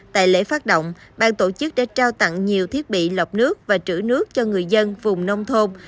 tại lễ phát động bang tổ chức đã trao tặng nhiều thiết bị lọc nước và trữ nước cho người dân vùng nông thôn